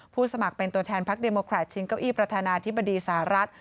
สมัครเป็นตัวแทนพักเดโมแครตชิงเก้าอี้ประธานาธิบดีสหรัฐ